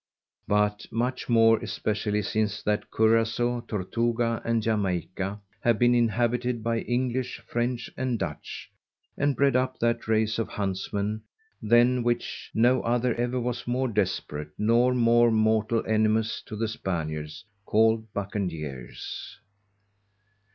But much more especially, since that_ Curasao, Tortuga, and Jamaica have been inhabited by English, French, and Dutch, and bred up that race of Hunts men, _than which, no other ever was more desperate, nor more mortal enemies to the Spaniards, called Bucaniers.